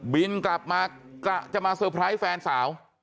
บินกลับมากะจะมาเตอร์ไพรส์แฟนสาว